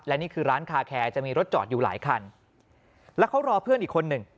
และนี่คือร้านคาแคร์จะมีรถจอดอยู่หลายคันแล้วเขารอเพื่อนอีกคนหนึ่ง